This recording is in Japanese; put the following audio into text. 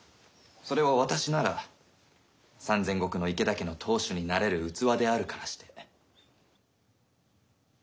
それは私なら３千石の池田家の当主になれる器であるからして。